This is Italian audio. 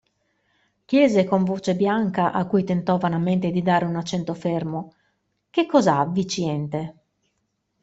Chiese con voce bianca, a cui tentò vanamente di dare un accento fermo: Che cos'ha, Viciente?